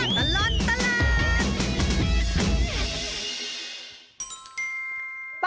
สวดตลอดตลาด